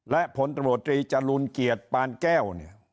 และผลตำรวจรีจรุลเกียรติปานแก้ว